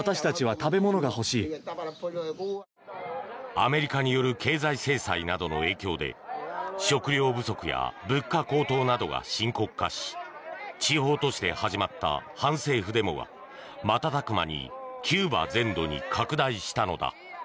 アメリカによる経済制裁などの影響で食料不足や物価高騰などが深刻化し地方都市で始まった反政府デモが瞬く間にキューバ全土に拡大したのだ。